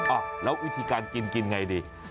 อ่ะแล้ววิธีการกินกินไงดี